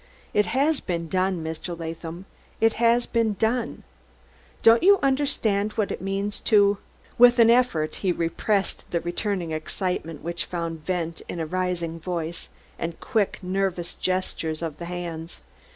It has been done, Mr. Latham; it has been done! Don't you understand what it means to " With an effort he repressed the returning excitement which found vent in a rising voice and quick, nervous gestures of the hands.